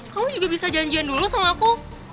kamu juga bisa janjian dulu sama aku